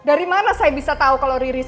eh dari mana saya bisa tahu kalau riri sudah mati